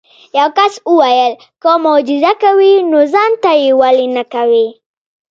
یو کس وویل که معجزه کوي نو ځان ته یې ولې نه کوې.